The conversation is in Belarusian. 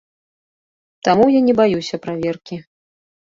Таму я не баюся праверкі.